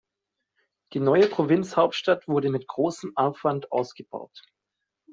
Die neue Provinzhauptstadt wurde mit großem Aufwand ausgebaut.